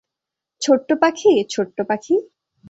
ছোট্ট পাখি, ছোট্ট পাখি।